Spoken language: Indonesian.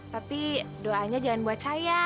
tapi doanya jangan buat saya